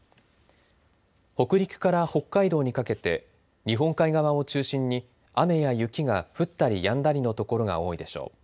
北陸から北海道にかけて日本海側を中心に雨や雪が降ったりやんだりの所が多いでしょう。